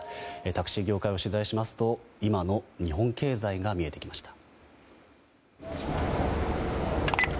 タクシー業界を取材しますと今の日本経済が見えてきました。